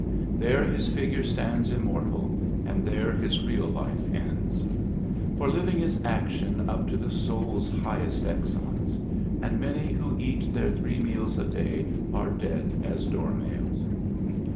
There his figure stands immortal, and there his real life ends. For living is action up to the soul's highest excellence, and many who ^ eat their three meals a day are dead as door nails.